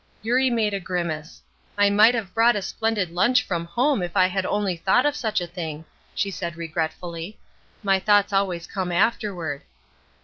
Eurie made a grimace. "I might have brought a splendid lunch from home if I had only thought of such a thing," she said, regretfully. "My thoughts always come afterward."